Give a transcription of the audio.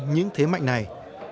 những thế mạnh này